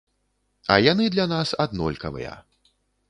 А яны для нас аднолькавыя.